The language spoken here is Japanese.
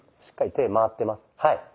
しっかり手回ってます。